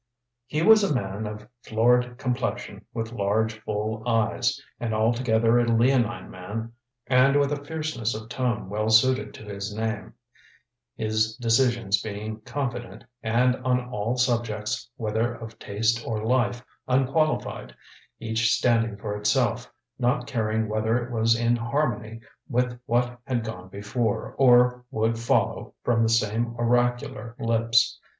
] "He was a man of florid complexion, with large full eyes, and altogether a leonine man, and with a fierceness of tone well suited to his name; his decisions being confident, and on all subjects, whether of taste or life, unqualified, each standing for itself, not caring whether it was in harmony with what had gone before or would follow from the same oracular lips.